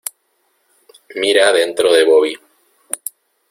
mira dentro de Bobby.